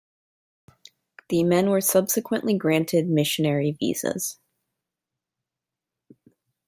The men were subsequently granted missionary visas.